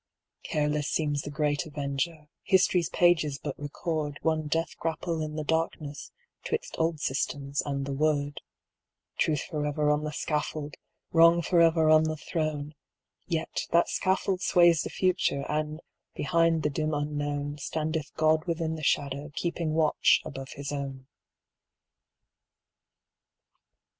Careless seems the great Avenger; history's pages but record One death grapple in the darkness 'twixt old systems and the Word; Truth forever on the scaffold, Wrong forever on the throne,— Yet that scaffold sways the future, and, behind the dim unknown, Standeth God within the shadow, keeping watch above his own.